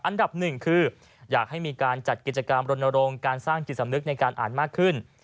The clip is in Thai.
อันดับหนึ่งคืออยากให้มีการจัดกิจกรรมรณรงค์การสร้างจิตสำนึกในการอ่านมากขึ้น